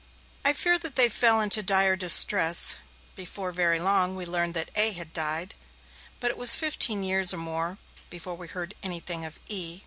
I fear that they fell into dire distress; before very long we learned that A. had died, but it was fifteen years more before we heard anything of E.